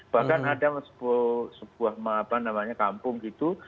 bahkan ada sebuah kampung gitu